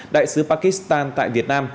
đại sứ pakistan tại việt nam